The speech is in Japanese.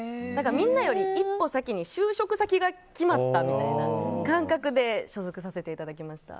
みんなより一歩先に就職先が決まったみたいな感覚で所属させていただきました。